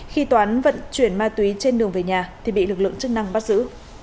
khi toán vận chuyển ma túy trên đường về nhà thì bị lực lượng chức năng bắt giữ